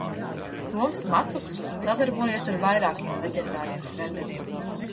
Toms Macuks sadarbojies ar vairākiem leģendāriem treneriem.